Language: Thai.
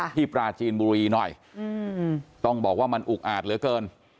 ปราจีนบุรีหน่อยต้องบอกว่ามันอุกอาจเหลือเกิน